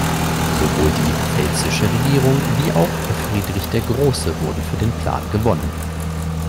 Sowohl die pfälzische Regierung wie auch Friedrich der Große wurden für den Plan gewonnen.